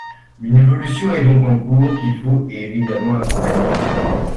Une évolution est donc en cours, qu’il faut évidemment accompagner.